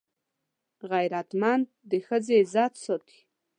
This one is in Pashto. غیرتمند د ښځې عزت ساتي